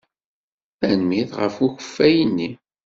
Tanemmirt ɣef ukeffay-nni.